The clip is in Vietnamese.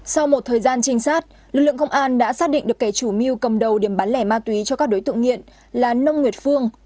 sau một thời gian trinh sát lực lượng công an đã xác định được kẻ chủ mưu cầm đầu điểm bán lẻ ma túy cho các đối tượng nghiện là nông nguyệt phương